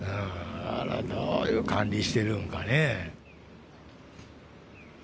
どういう管理してるんかね。